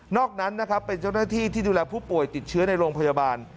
อกนั้นนะครับเป็นเจ้าหน้าที่ที่ดูแลผู้ป่วยติดเชื้อในโรงพยาบาล